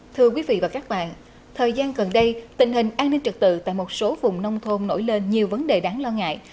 thưa quý vị và các bạn thời gian gần đây tình hình an ninh trực tự tại một số vùng nông thôn nổi lên nhiều vấn đề đáng lo ngại